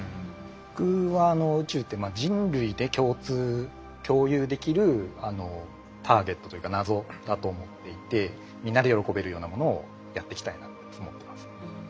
僕は宇宙って人類で共有できるターゲットというか謎だと思っていてみんなで喜べるようなものをやっていきたいなと思ってます。